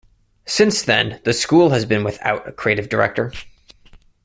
Since then the school has been without a creative director.